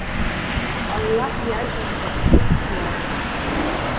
Аллаҳ иажәа ҵабыргуп ҳәа иарҳәоит.